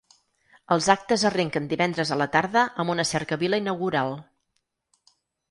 Els actes arrenquen divendres a la tarda amb una cercavila inaugural.